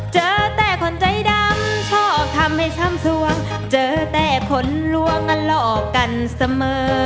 เจอแต่คนใจดำชอบทำให้ช้ำสวงเจอแต่ผลลวงกันหลอกกันเสมอ